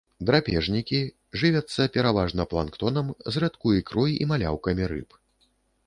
Драпежнікі, жывяцца пераважна планктонам, зрэдку ікрой і маляўкамі рыб.